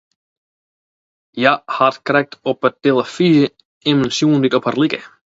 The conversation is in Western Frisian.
Hja hat krekt op 'e telefyzje immen sjoen dy't op har like.